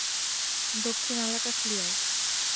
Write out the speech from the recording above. দক্ষিণ এলাকা ক্লিয়ার।